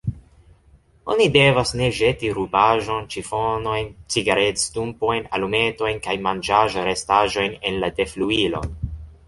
Oni devas ne ĵeti rubaĵon, ĉifonojn, cigaredstumpojn, alumetojn kaj manĝaĵrestaĵojn en la defluilon.